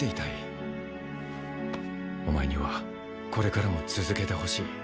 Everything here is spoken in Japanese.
お前にはこれからも続けてほしい。